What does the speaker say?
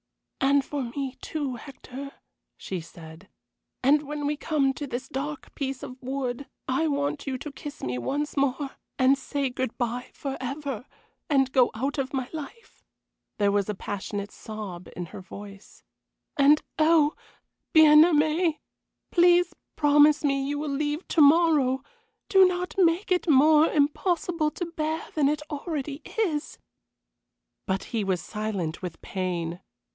"And for me, too, Hector," she said. "And when we come to this dark piece of wood I want you to kiss me once more and say good bye forever, and go out of my life." There was a passionate sob in her voice. "And oh! Bien aimé, please promise me you will leave to morrow. Do not make it more impossible to bear than it already is." But he was silent with pain.